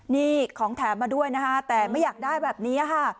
นี่ของแถมมาด้วยนะคะแต่ไม่อยากได้แบบนี้ค่ะ